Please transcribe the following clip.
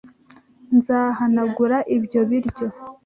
Nzahanagura ibyo biryo.